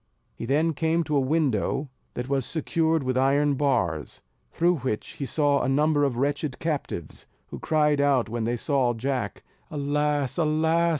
He then came to a window that was secured with iron bars, through which he saw a number of wretched captives, who cried out when they saw Jack, "Alas! alas!